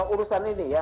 urusan ini ya